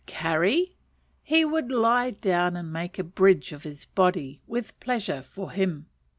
Carry! He would lie down and make a bridge of his body, with pleasure, for him.